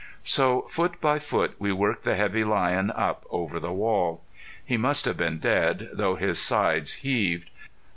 So, foot by foot, we worked the heavy lion up over the wall. He must have been dead, though his sides heaved.